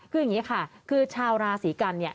คืออย่างนี้ค่ะคือชาวราศีกันเนี่ย